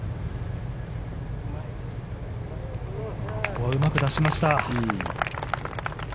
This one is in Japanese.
ここはうまく出しました。